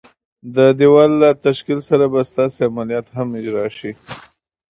د دېوال له تشکیل سره به ستاسي عملیات هم اجرا شي.